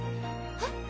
えっ？